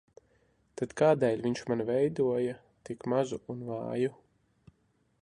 Tad kādēļ viņš mani veidoja tik mazu un vāju?